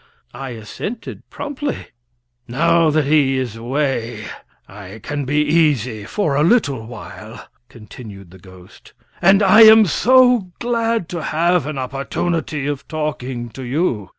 I assented promptly. "Now that he is away I can be easy for a little while," continued the ghost; "and I am so glad to have an opportunity of talking to you.